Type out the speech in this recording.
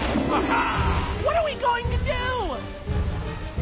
あ？